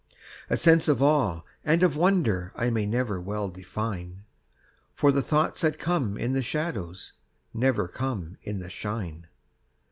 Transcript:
A sense of awe and of wonder I may never well define, For the thoughts that come in the shadows Never come in the shine.